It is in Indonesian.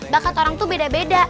bakat orang tuh beda beda